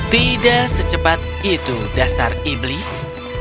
tidak secepat itu dasar iblis